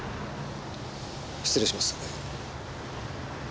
失礼します。